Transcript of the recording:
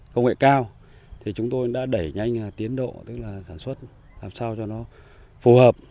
công nghệ cao thì chúng tôi đã đẩy nhanh tiến độ tức là sản xuất làm sao cho nó phù hợp